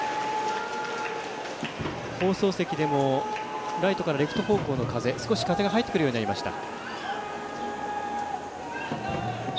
放送席でもライトからレフト方向の風少し風が入ってくるようになりました。